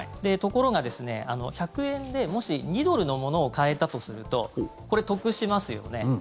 ところが、１００円でもし２ドルのものを買えたとするとこれ、得しますよね。